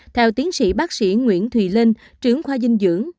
theo tiến sĩ bác sĩ nguyễn thùy linh trưởng khoa dinh dưỡng